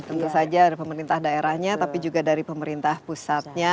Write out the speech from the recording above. tentu saja ada pemerintah daerahnya tapi juga dari pemerintah pusatnya